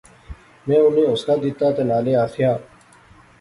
میں انیں حوصلہ دتا تہ نالے آخیا